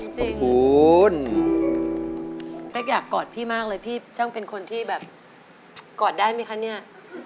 จริงคุณเป๊กอยากกอดพี่มากเลยพี่ช่างเป็นคนที่แบบกอดได้ไหมคะเนี่ย